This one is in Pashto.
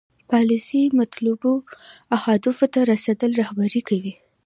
پالیسي مطلوبو اهدافو ته رسیدل رهبري کوي.